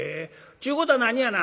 ちゅうことは何やな